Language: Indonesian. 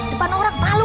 depan orang malu